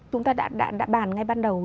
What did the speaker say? chúng ta đã bàn ngay ban đầu